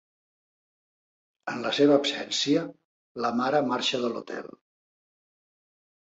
En la seva absència, la mare marxa de l'hotel.